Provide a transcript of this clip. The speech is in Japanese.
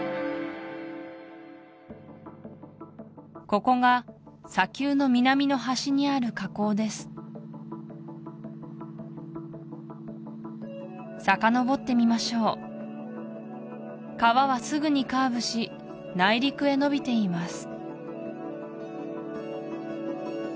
ここが砂丘の南の端にある河口ですさかのぼってみましょう川はすぐにカーブし内陸へのびています